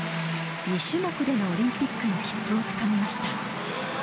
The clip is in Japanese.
２種目でのオリンピックの切符をつかみました。